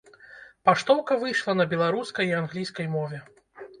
Паштоўка выйшла на беларускай і англійскай мове.